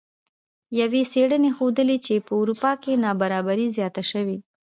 یوې څیړنې ښودلې چې په اروپا کې نابرابري زیاته شوې